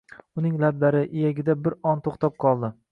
Uning lablari, iyagida bir on to’xtab qoldi.